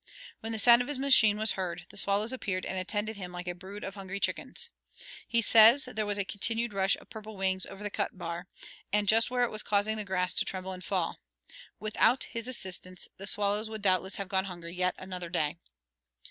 When the sound of his machine was heard, the swallows appeared and attended him like a brood of hungry chickens. He says there was a continued rush of purple wings over the "cut bar," and just where it was causing the grass to tremble and fall. Without his assistance the swallows would doubtless have gone hungry yet another day.